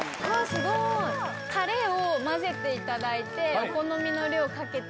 タレを混ぜていただいてお好みの量かけて。